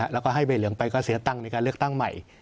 แล้วก็ให้ใบเหลืองไปก็เสียตังค์ในการเลือกตั้งใหม่